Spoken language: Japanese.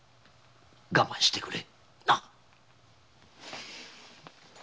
我慢してくれ。